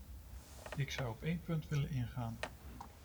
Ik zou op één punt willen ingaan.